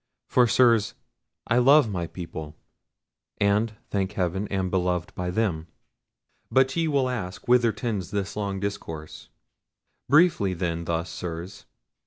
for, Sirs, I love my people, and thank heaven am beloved by them. But ye will ask whither tends this long discourse? Briefly, then, thus, Sirs.